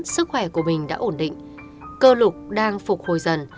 sức khỏe của mình đã ổn định cơ lục đang phục hồi dần